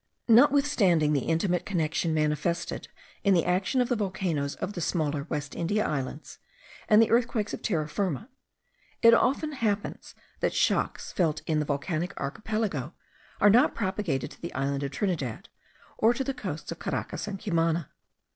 Notwithstanding the intimate connection manifested in the action of the volcanoes of the smaller West India Islands and the earthquakes of Terra Firma, it often happens that shocks felt in the volcanic archipelago are not propagated to the island of Trinidad, or to the coasts of Caracas and Cumana.